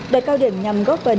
đợt cao điểm nhằm góp phần